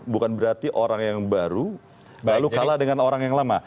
bukan berarti orang yang baru lalu kalah dengan orang yang lama